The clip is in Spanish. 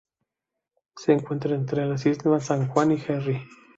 Se encuentra entre las islas San Juan y Henry.